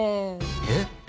えっ！？